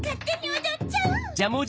おどっちゃう！